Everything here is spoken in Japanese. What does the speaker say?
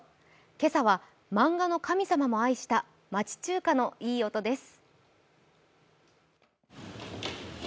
今朝は漫画の神様も愛した町中華のいい音です。